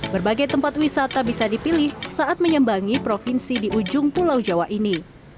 berbagai tempat wisata bisa dipilih saat menyembangi provinsi di ujung pulau jawa ini